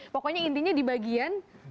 pokoknya intinya di bagian